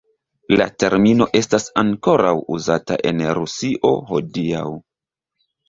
La termino estas ankoraŭ uzata en Rusio hodiaŭ.